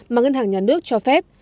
mà ngân hàng nhà nước cho phép